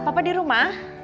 papa di rumah